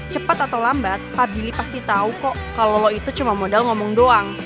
cepat atau lambat pak billy pasti tahu kok kalau itu cuma modal ngomong doang